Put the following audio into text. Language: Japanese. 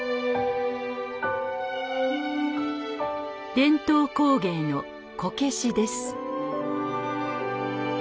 伝統工芸のこけしです。